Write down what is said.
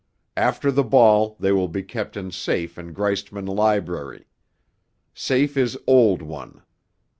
After the ball they will be kept in safe in Greistman library. Safe is old one.